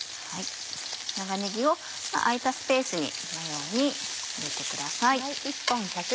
長ねぎを空いたスペースにこのように入れてください。